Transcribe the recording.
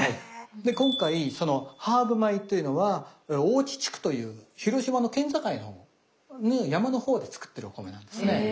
今回そのハーブ米というのはおおち地区という広島の県境の山の方で作ってるお米なんですね。